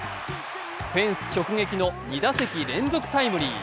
フェンス直撃の２打席連続タイムリー。